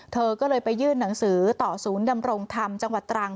เธอก็เลยไปยื่นหนังสือต่อศูนย์ดำรงธรรมจังหวัดตรัง